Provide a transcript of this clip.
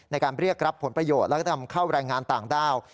ในการเรียกรับผลประโยชน์แล้วก็นำเข้าแรงงานต่างด้าว